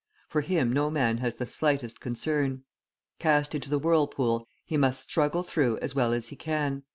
For him no man has the slightest concern. Cast into the whirlpool, he must struggle through as well as he can.